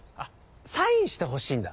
サインしてほしいんだ。